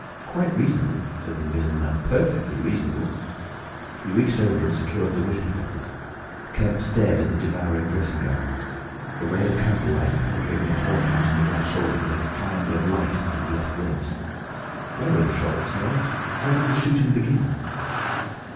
"Quite reasonable," said the Invisible Man. "Perfectly reasonable." He reached over and secured the whiskey bottle. Kemp stared at the devouring dressing gown. A ray of candle light penetrating a torn patch in the right shoulder, made a triangle of light under the left ribs. "What were the shots?" he asked. "How did the shooting begin?"